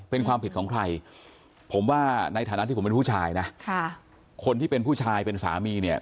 เป็นความผิดของใครผมว่าในฐานะที่ผมเป็นผู้ชายนะค่ะคนที่เป็นผู้ชายเป็นสามีเนี่ย